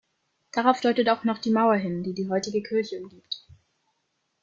Darauf deutet auch noch die Mauer hin, die die heutige Kirche umgibt.